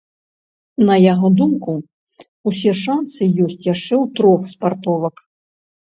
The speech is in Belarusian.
На яго думку, усе шанцы ёсць яшчэ ў трох спартовак.